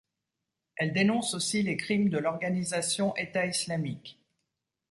Elle dénonce aussi les crimes de l'organisation État islamique.